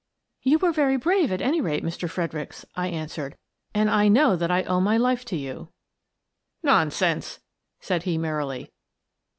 " You were very brave, at any rate, Mr. Fred ericks," I answered, " and I know that I owe my life to you." " Nonsense !" said he, merrily.